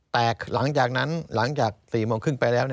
แต่หลังจากนั้นหลังจาก๔โมงครึ่งไปแล้ว